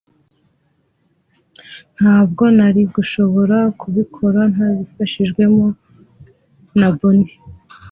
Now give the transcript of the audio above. Ntabwo nari gushobora kubikora ntabifashijwemo na Boni.